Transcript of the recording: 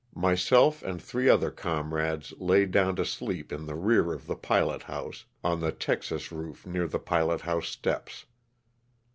Myself and three other comrades LOSS OF THE SULTANA. 21»5 laid down to sleep in the rear of the pilot house, on the texas roof near the pilot house steps.